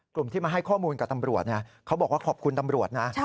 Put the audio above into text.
กลุ่มที่มาให้ข้อมูลกับตำรวจเขาบอกว่าขอบคุณตำรวจนะ